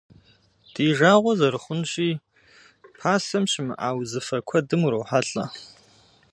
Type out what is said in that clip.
Ди жагъуэ зэрыхъунщи, пасэм щымыӏа узыфэ куэдым урохьэлӏэ.